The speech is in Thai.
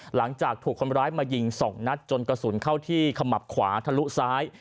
หลังจากถูกคนร้ายมายิง๒นัดจนกระสุนเข้าที่ขมับขวาทะลุซ้าย